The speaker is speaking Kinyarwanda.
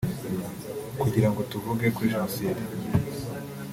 kugirango tuvuge kuri Jenoside